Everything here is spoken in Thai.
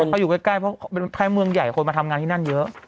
เขาอยู่ใกล้เพราะถ้าเมืองใหญ่คนมาทำงานที่นั่นเยอะ